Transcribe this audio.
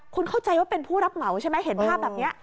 คุณเข้าใจว่าเป็นผู้รับเหมาใช่ไหมเห็นภาพแบบนี้